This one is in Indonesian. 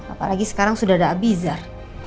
apalagi sekarang sudah ada abizar